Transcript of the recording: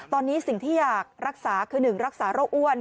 ตอนนี้สิ่งที่อยากรักษาคือ๑รักษาโรคอ้วน